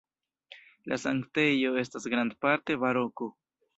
La sanktejo estas grandparte baroko.